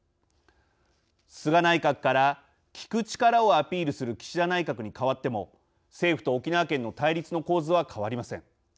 菅内閣から聞く力をアピールする岸田内閣にかわっても政府と沖縄県の対立の構図は変わりません。